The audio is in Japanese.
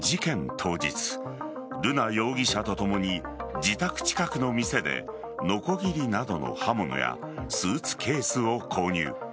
当日瑠奈容疑者とともに自宅近くの店でのこぎりなどの刃物やスーツケースを購入。